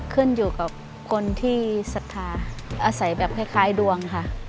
ขึ้นอยู่กับคนที่ศรัทธาอาศัยแบบคล้ายดวงค่ะ